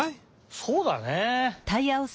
そうだね！